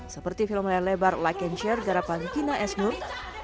seperti film layar lebar like and share garapan kina esnur